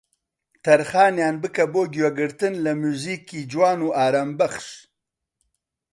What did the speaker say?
تەرخانیان بکە بۆ گوێگرتن لە موزیکی جوان و ئارامبەخش